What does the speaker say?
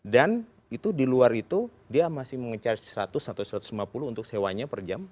dan itu di luar itu dia masih mengecharge seratus atau satu ratus lima puluh untuk sewanya per jam